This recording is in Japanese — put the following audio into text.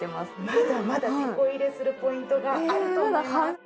まだまだテコ入れするポイントがあると思います。